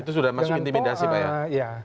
itu sudah masuk intimidasi pak ya